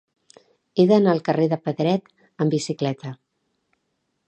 He d'anar al carrer de Pedret amb bicicleta.